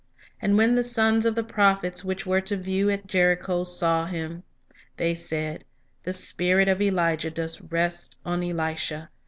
And when the sons of the prophets which were to view at Jericho saw him, they said, The spirit of Elijah doth rest on Elisha.